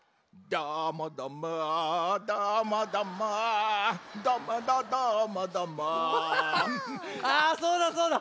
どもどもどもどもどもどどもどもあそうだそうだ！